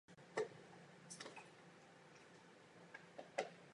O deset let později ji také otiskl "Ruch".